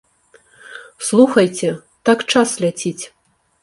Слухайце, так час ляціць!